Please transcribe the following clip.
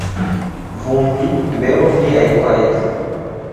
Vumbi, Mbeo pia yekwaeni.